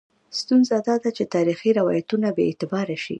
ستونزه دا ده چې تاریخي روایتونه بې اعتباره شي.